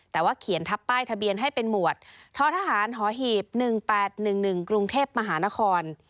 แต่ว่าเขียนทับป้ายทะเบียนให้เป็นหมวดท้อทหารหอหีบ๑๘๑๑กรุงเทพมหานคร